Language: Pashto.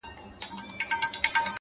ددې ښايستې نړۍ بدرنگه خلگ”